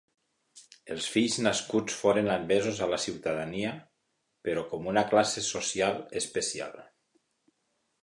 Els fills nascuts foren admesos a la ciutadania, però com una classe social especial.